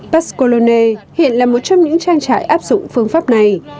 pascalone hiện là một trong những trang trại áp dụng phương pháp này